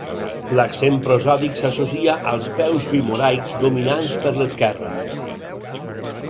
L'accent prosòdic s'associa als peus bimoraics dominants per l'esquerra.